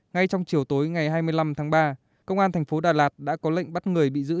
ngay trong chiều tối ngày hai mươi năm tháng ba công an thành phố đà lạt đã có lệnh bắt người bị giữ